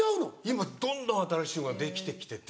今どんどん新しいのができてきてて。